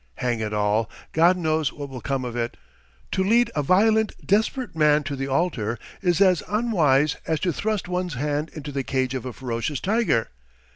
Hang it all! God knows what will come of it! To lead a violent, desperate man to the altar is as unwise as to thrust one's hand into the cage of a ferocious tiger.